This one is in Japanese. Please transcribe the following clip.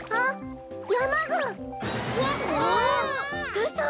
うそ！？